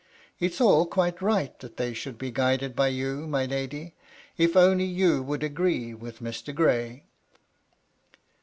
It's all quite right that they should be guided by you, my lady, — ^if only you would agree with Mr. Gray."